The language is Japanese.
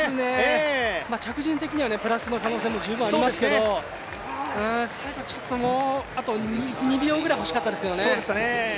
着順的にはプラスの可能性も十分ありましたけど最後、もう２秒ぐらいほしかったですけどね。